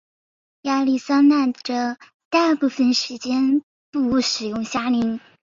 亚利桑那州大部分地区不使用夏令时。